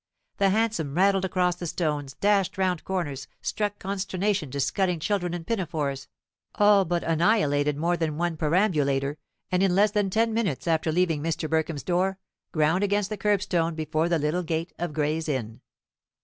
The hansom rattled across the stones, dashed round corners, struck consternation to scudding children in pinafores, all but annihilated more than one perambulator, and in less than ten minutes after leaving Mr. Burkham's door, ground against the kerbstone before the little gate of Gray's Inn.